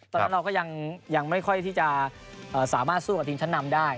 ตอนนั้นเราก็ยังไม่ค่อยที่จะสามารถสู้กับทีมชั้นนำได้